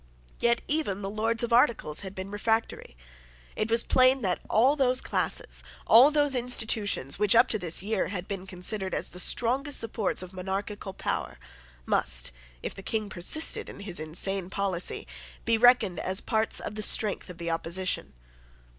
Yet even the Lords of Articles had been refractory. It was plain that all those classes, all those institutions, which, up to this year, had been considered as the strongest supports of monarchical power, must, if the King persisted in his insane policy, be reckoned as parts of the strength of the opposition.